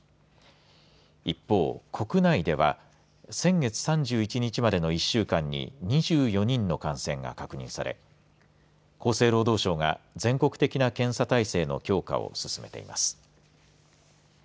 一方、国内では先月３１日までの１週間に２４人の感染が確認され厚生労働省が全国的な検査体制の強化を進めています。